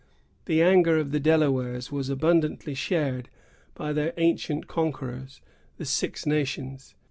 The anger of the Delawares was abundantly shared by their ancient conquerors, the Six Nations.